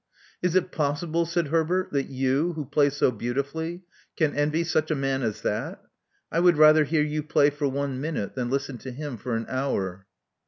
"Is it possible," said Herbert, that you, who play so beautifully, can envy such a man as that. I would rather hear you play for one minute than listen to him for an hour.